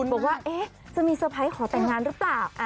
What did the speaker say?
บอกว่าจะมีสเปรย์ฟัยขอแต่งงานรึเปล่า